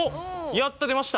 やった出ました。